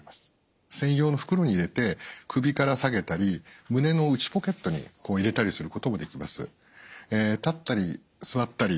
専用の袋に入れて首から提げたり胸の内ポケットに入れたりすることもできます。